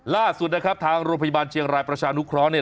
ล่าสุดนะครับทางโรงพยาบาลเชียงรายประชานุเคราะห์เนี่ย